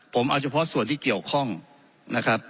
ผมเอาเฉพาะส่วนที่เกี่ยวข้องนะครับ